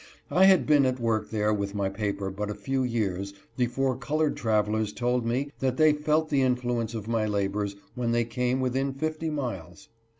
I had been at work there with my paper but a few years before colored trav elers told me that they felt the influence of my labors when they came within fifty miles.